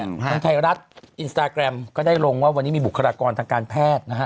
ทางไทยรัฐอินสตาแกรมก็ได้ลงว่าวันนี้มีบุคลากรทางการแพทย์นะฮะ